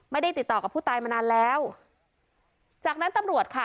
ไม่ได้ติดต่อกับผู้ตายมานานแล้วจากนั้นตำรวจค่ะ